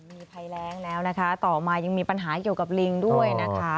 มีภัยแรงแล้วนะคะต่อมายังมีปัญหาเกี่ยวกับลิงด้วยนะคะ